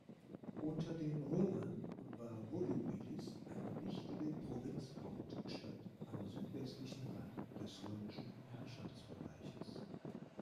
Unter den Römern war Volubilis eine wichtige Provinzhauptstadt am südwestlichen Rand des römischen Herrschaftsbereiches.